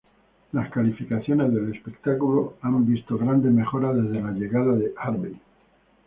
Las calificaciones del espectáculo han visto grandes mejoras desde la llegada de Harvey.